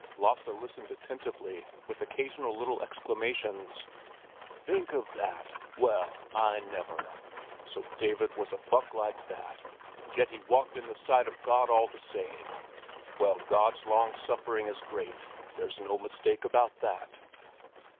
Lasse listened attentively, with occasional little exclamations. "Think of that!" "Well, I never!" "So David was a buck like that, and yet he walked in the sight of God all the same! Well, God's long suffering is great—there's no mistake about that!"